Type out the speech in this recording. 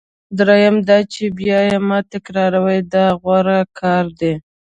دریم دا چې بیا یې مه تکراروئ دا غوره کار دی.